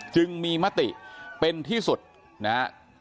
จึงมีมติเป็นที่สุดนะฮะ